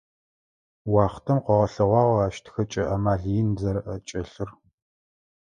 Уахътэм къыгъэлъэгъуагъ ащ тхэкӏэ амал ин зэрэӏэкӏэлъыр.